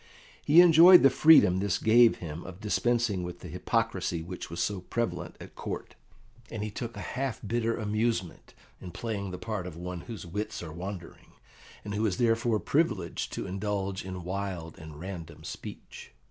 He enjoyed the freedom this gave him of dispensing with the hypocrisy which was so prevalent at Court, and he took a half bitter amusement in playing the part of one whose wits are wandering, and who is therefore privileged to indulge in wild and random speech.